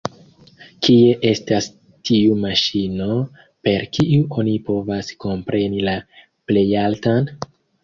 Kie estas tiu maŝino, per kiu oni povas kompreni la Plejaltan?